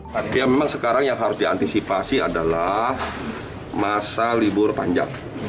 tapi memang sekarang yang harus diantisipasi adalah masa libur panjang